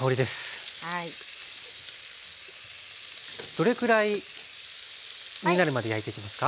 どれくらいになるまで焼いていきますか？